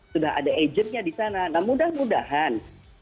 sudah ada agentnya disana nah mudah mudahan